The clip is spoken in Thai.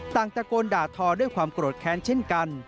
ต่างตะโกนด่าทอด้วยความโกรธแค้นเช่นกัน